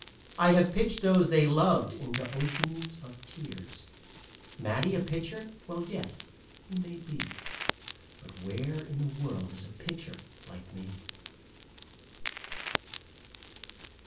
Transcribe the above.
I have pitched those they loved into oceans of tears. Matty a pitcher? Well, yes, he may be, But where in the world is a pitcher like me?